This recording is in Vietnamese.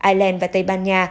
israel và tây ban nha